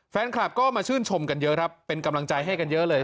แฟนคลับก็มาชื่นชมกันเยอะครับเป็นกำลังใจให้กันเยอะเลย